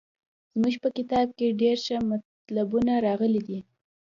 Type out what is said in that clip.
زموږ په کتاب کې ډېر ښه مطلبونه راغلي دي.